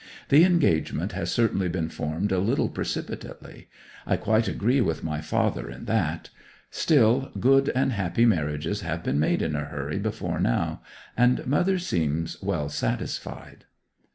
The engagement has certainly been formed a little precipitately; I quite agree with my father in that: still, good and happy marriages have been made in a hurry before now, and mother seems well satisfied.